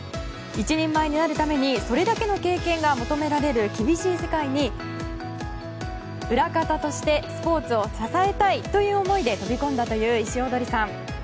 １人前になるためにそれだけの経験が求められる厳しい世界に裏方としてスポーツを支えたいという思いで飛び込んだという石躍さん。